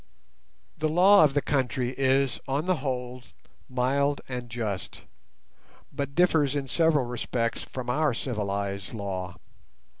The law of the country is, on the whole, mild and just, but differs in several respects from our civilized law.